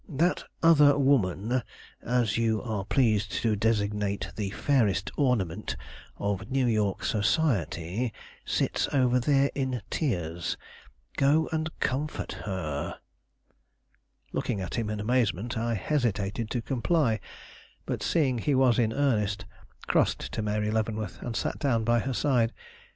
That other woman, as you are pleased to designate the fairest ornament of New York society, sits over there in tears; go and comfort her." Looking at him in amazement, I hesitated to comply; but, seeing he was in earnest, crossed to Mary Leavenworth and sat down by her side.